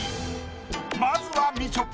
まずはみちょぱ。